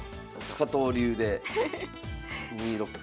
加藤流で２六歩。